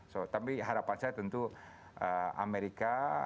so tapi harapan saya tentu amerika